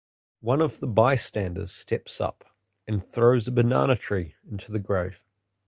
One of the bystanders steps up and throws a banana tree into the grave.